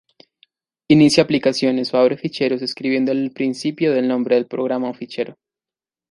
Inicia aplicaciones o abre ficheros escribiendo el principio del nombre del programa o fichero.